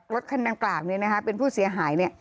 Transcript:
รถคำนังกราบนี่นะฮะเป็นผู้เสียหายนี่